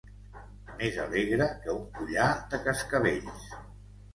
Més alegre que un collar de cascavells.